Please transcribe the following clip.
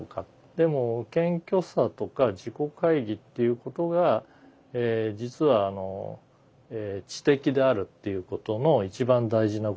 でも謙虚さとか自己懐疑っていうことが実は知的であるっていうことの一番大事なことだと思うわけです。